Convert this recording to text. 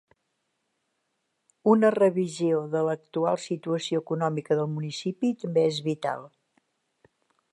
Una revisió de la actual situació econòmica del municipi també és vital.